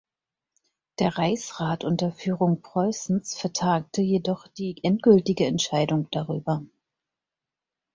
Der Reichsrat unter Führung Preußens vertagte jedoch die endgültige Entscheidung darüber.